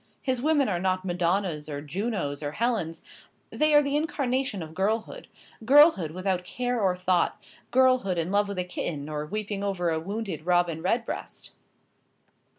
His women are not Madonnas, or Junos, or Helens they are the incarnation of girlhood; girlhood without care or thought; girlhood in love with a kitten, or weeping over a wounded robin redbreast."